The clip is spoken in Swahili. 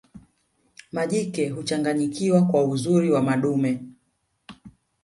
majike huchanganyikiwa kwa uzuri wa madume